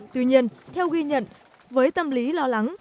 tuy nhiên theo ghi nhận với tâm lý lo lắng